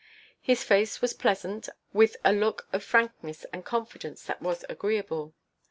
His face was pleasant, with a look of frankness and confidence that was agreeable.